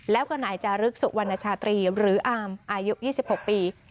แล้วก็นายจารึกสุวรรณชาตรีหรืออามอายุ๒๖ปี